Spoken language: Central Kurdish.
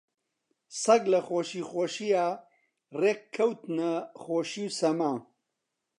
سەگ لە خۆشی خۆشییا ڕێک کەوتنە خۆشی و سەما